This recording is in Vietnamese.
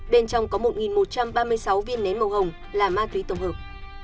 bên trong có một một trăm ba mươi sáu viên nén màu hồng là ma túy tổng hợp